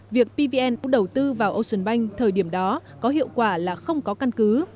việc pvn đầu tư vào ocean bank thời điểm đó có hiệu quả là không có căn cứ